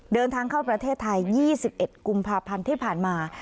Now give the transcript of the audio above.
เดินทางเข้าประเทศไทย๒๑กุมภาพันธ์ที่ผ่านมา